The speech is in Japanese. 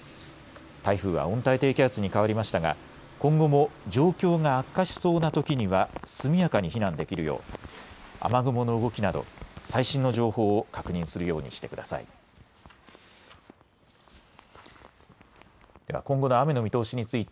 台風は温帯低気圧に変わりましたが今後も状況が悪化しそうなときには速やかに避難できるよう雨雲の動きなど最新の情報を確認するようにしてください。